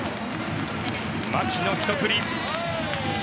牧のひと振り。